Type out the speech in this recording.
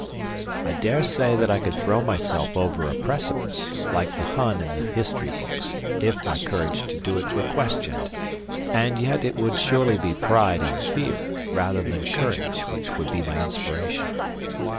I dare say that I could throw myself over a precipice, like the Hun in the history books, if my courage to do it were questioned, and yet it would surely be pride and fear, rather than courage, which would be my inspiration.